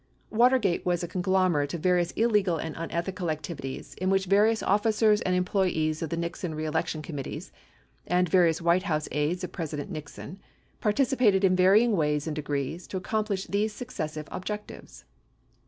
Watergate was a conglomerate of various illegal and unethical ac tivities in Which various officers and employees of the Nixon reelec tion committees and various White House aides of President Nixon participated in varying ways and degrees to accomplish these succes sive objectives : 1.